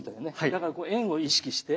だからこう円を意識して。